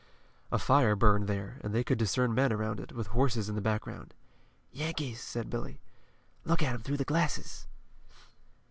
A fire burned there and they could discern men around it, with horses in the background. "Yankees," said Billy. "Look at 'em through the glasses."